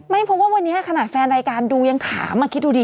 เพราะว่าวันนี้ขนาดแฟนรายการดูยังถามคิดดูดี